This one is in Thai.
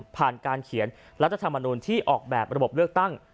ผ่านการเขียนรัฐธรรมนูลที่ออกแบบระบบเลือกตั้ง